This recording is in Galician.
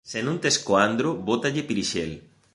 Se non tes coandro, bótalle pirixel